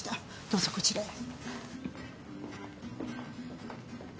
どうぞこちらへ。